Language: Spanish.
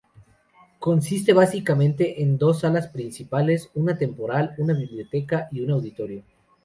Consiste básicamente en dos salas principales, una temporal, una biblioteca y un Auditorio.